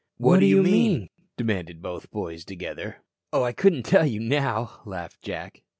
"What do you mean?" demanded both boys together. "Oh, I couldn't tell you now," laughed Jack.